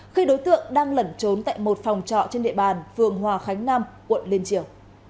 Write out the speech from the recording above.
khi đối tượng đang lẩn trốn tại một phòng trọ trên địa bàn phường hòa khánh nam quận liên triều